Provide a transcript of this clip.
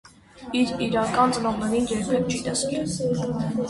Իր իրական ծնողներին երբեք չի տեսել։